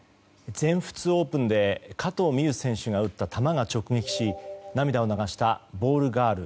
全仏オープンで加藤未唯選手が打った球が直撃し、涙を流したボールガール。